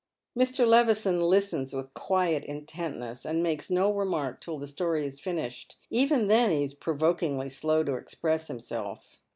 Mr. Levison listens with quiet intentness, and makes no remark till the story is finished. Even then he is provokingly slowto ex press himself.